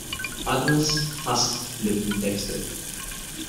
Agnes hasst Lückentexte.